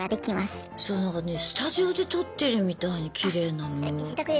そうなんかねスタジオで撮ってるみたいにきれいなのよ。